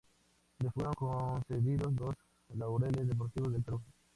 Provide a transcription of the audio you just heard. Le fueron concedidos los Laureles deportivos del Perú.